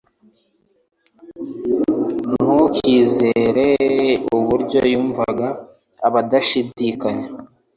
ntukizere uburyo yumvaga adashidikanya.